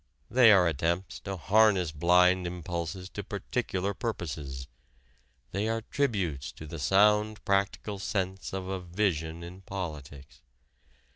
They are attempts to harness blind impulses to particular purposes. They are tributes to the sound practical sense of a vision in politics.